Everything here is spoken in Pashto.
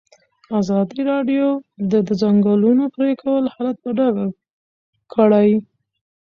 ازادي راډیو د د ځنګلونو پرېکول حالت په ډاګه کړی.